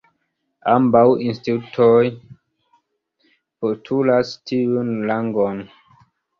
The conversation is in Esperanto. Ambaŭ institutoj postulas tiun rangon.